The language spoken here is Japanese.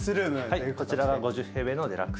はいこちらが５０平米のデラックスルーム。